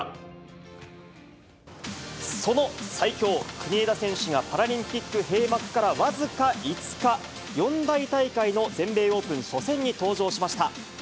その最強、国枝選手がパラリンピック閉幕から僅か５日、四大大会の全米オープン初戦に登場しました。